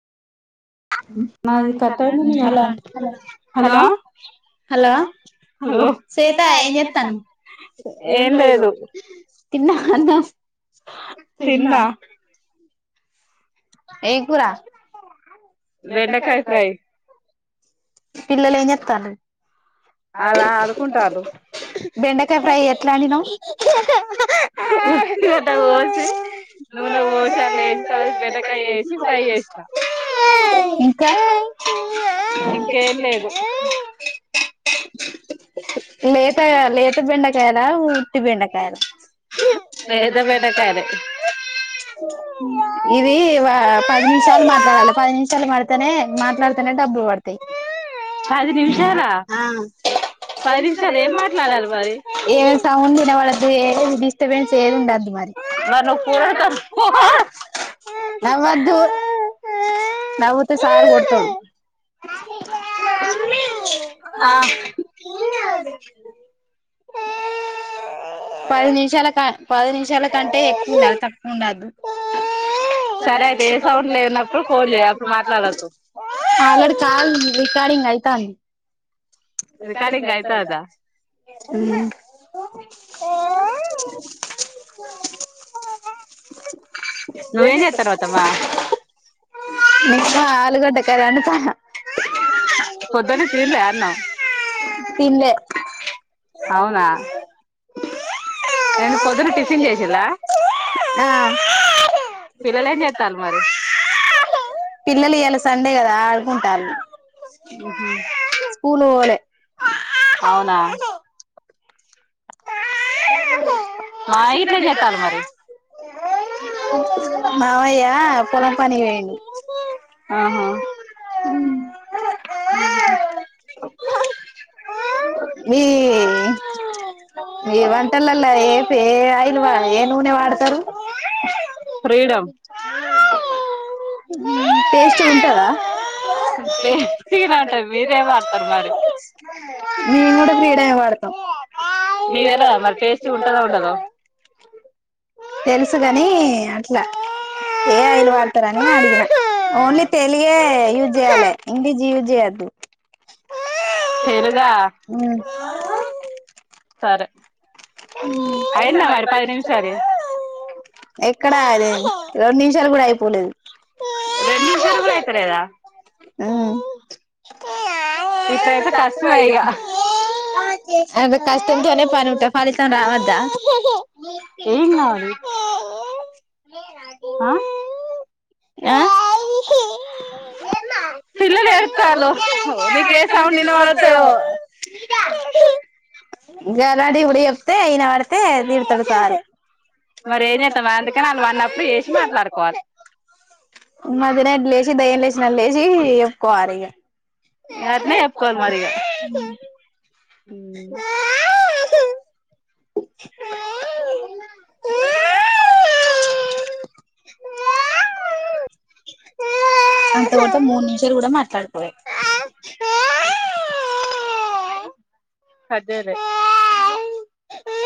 నాది కట్ అయింది hello hello hello Shweta ఏం జేతనావ్ లేదు తిన్నవ అన్నాం తిన్న తిన్నా ఏం కూర బెంకాయి ఫ్రై పిల్లలు ఏం జెతన్ ర్ అ అలా ఆడుకుంటారు బెండకాయి ఫ్రై ఎట్లా అండి నవ్ ఉత్తిగడ్డ కోసి నూనె పోసి అల్ల వేసిన తర్వాత బెండకాయ వేసి ఫ్రై చేసిన ఇంకా ఏ ఇంకేం లేదు లేత లేత బెండకాయల ఉట్టి బెండకాయల లేత బెండకాయలే ఇది వ పది నిమిషాలు మాట్లాడాలే పది నిమిషాలు పడతేనే మాట్లాడతనే డబ్బులు పడత్ తే పది నిమిషాలా ఆ పది నిమిషాలు ఏం మాట్లాడాలి మరి ఏమ్ సౌండ్ వినభాడోడు ఎద్ డిస్టర్బెన్స్ ఏది ఉండదు మరి మరి నువ్వు కూరడుతో నవ్వదు నవ్వు తే సార్ కొడ్ తడు ఆ పది నిమిషాల క పది నిమిషాల కంటే ఎక్కువుండాలి తక్కువ్ ఉండద్దు సరే నే అయితే ఏ టీవీ సౌండ్ లేనప్పుడు ఫోన్ చెయ్యి చేయి వీడ్ అప్పుడు మాట్లాతడు మాట్లాడొద్దు ఆల్ రేడీ కాల్ రికార్డింగ్ అయితంది రికార్డింగ్ అయితాందా హ్మ్ అ నువ్వేం చేత్తన్నావ్ నిమ్మ అత్తమ్మ ఆలుగడ్డ కర్రీ వండుతాన్న పొదన్ పొద్దున నుంచి తిన్లే అన్నం తిన్ లే అన్నం తిన్ లే అవునా ఏంది పొద్దున టిఫిన్ చేసిల్ల ఆ పిల్లలు ఏం చేతార్ మరి పిల్లలు ఇయలా సండే గదా ఆడుకుంటారు స్కూలు పోలే అవునా మా ఇట్ల ఏం చేత్తాలు మరి ఆ మావయ్యా పొలం పనిక్ పోయిండు ఆహా మీ మీ వంటలల్ల ఏ పె ఐ లువ ఏ నూనే వాడతారు ఫ్రీడమ్ హ్మ్ టేస్టు గుంటదా పె స్టీ వంటారు [unintelligible] మీరేం వడతర్ మరి మేము కూడా ఫ్రీడెం వాడతాం నీకు తెలవదా మరి టేస్టీగా ఉంటదో ఉండదో తెలుసుగాని అట్లా ఏ అయిల్ వాడతారని అడిగిన ఓన్లీ తెలిగే యూజ్ చేయాల ఇంగ్లీష్ యూజ్ చేయొద్దు తెలుగ తెలుగా ఉమ్ సరే ఉమ్ అయిందా మరి పది నిమిషాలు ఎక్కడా అదేన్ రొండు నిమిషాల్ కూడా అయిపోలేదు రెండు నిమిషాలు కూడా అయితలేదా ఆ ఇట అయితే కష్టమే ఇగ అద్ కష్టమ్ తోనే అనే పని ఉట ఫలీతం రావద్దా ఏం గావళి నే అగే ఆ ఆ.. ఏద్మ పిల్లలు ఏడుస్తాంన్లు మీకు ఏ సౌండ్ వినబట్లేదుఓ ఇంగ రాడు ఇవిడ చెప్తే ఇనబడితే తిడతాడు సారు మరి ఏంజెత్తవా అందుకని ఆళ్ళు నువ్వు అన్నప్పుడు చేసి మాట్లాడుకోవాలి మధుగాడ్ లేసి దయ్యం లేచిన లేచి ఎప్పుకోవాలి ఇగ గట్నే అట్నే ఫోర్ చెప్పుకోవాలి మరి ఇగ అంతవాత అదేలే మూడు నిమిషాలు కూడా మాట్లాడుకోలేం హదేరె